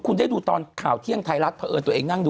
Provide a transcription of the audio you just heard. คุณหนุ่มกัญชัยได้เล่าใหญ่ใจความไปสักส่วนใหญ่แล้ว